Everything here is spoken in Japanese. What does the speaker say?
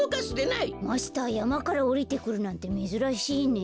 マスターやまからおりてくるなんてめずらしいね。